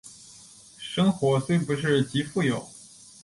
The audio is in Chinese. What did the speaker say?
生活虽不是极富有